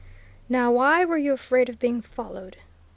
"Now why were you afraid of being followed?"